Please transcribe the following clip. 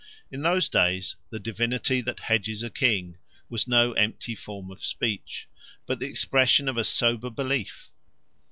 In those days the divinity that hedges a king was no empty form of speech, but the expression of a sober belief.